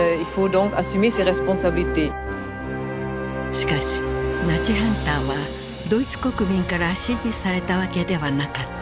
しかしナチハンターはドイツ国民から支持されたわけではなかった。